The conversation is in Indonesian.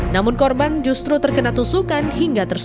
namun korban justru terkena tusukan hingga tersentuh